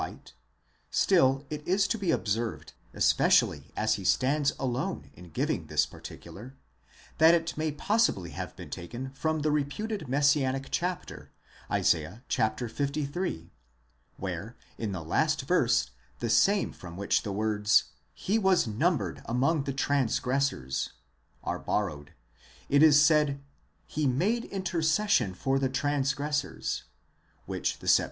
light : still it is to be observed, especially as he stands alone in giving this particular, that it may possibly have been taken from the reputed messianic chapter, Isa. liii, where in the last verse, the same from which the words : he was numbered with, the transgressors, μετὰ ἀνόμων ἐλογίσθη are borrowed, it is said : ¥*35! DYyWE?y (he made intercession Jor the transgressors), which the LXX.